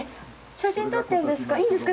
写真撮ってるんですか？